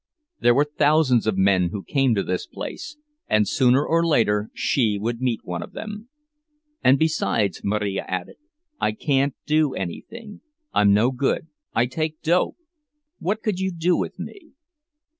There were thousands of men who came to this place, and sooner or later she would meet one of them. "And besides," Marija added, "I can't do anything. I'm no good—I take dope. What could you do with me?"